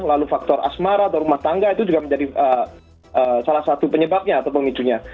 lalu faktor asmara atau rumah tangga itu juga menjadi salah satu penyebabnya atau pemicunya